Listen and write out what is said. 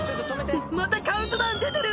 「ってまたカウントダウン出てる」